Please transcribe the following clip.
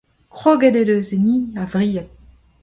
Kroget en deus enni a-vriad.